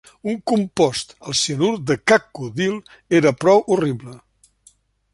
Un compost, el cianur de cacodil, era prou horrible.